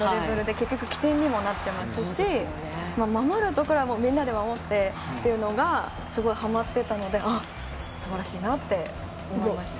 結局、起点にもなってますし守るところはみんなで守ってというのがすごいはまっていたのですばらしいなって思いました。